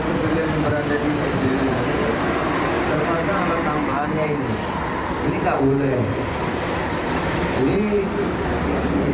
kompol itu berada di spbu